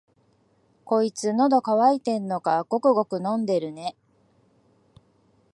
こいつ、のど渇いてんのか、ごくごく飲んでるね。